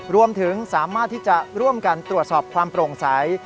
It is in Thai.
รวมถึงสามารถที่จะร่วมกันตรวจสอบความโปร่งใส